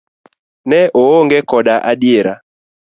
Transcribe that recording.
Ne oonge koda adiera.